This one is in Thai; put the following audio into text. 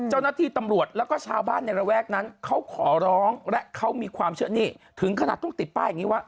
เจ้าหน้าที่ตำรวจแล้วก็ชาวบ้านในระแวกนั้นเขาขอร้องและเขามีความเชื่อนี่ถึงขนาดต้องติดป้ายอย่างนี้ว่า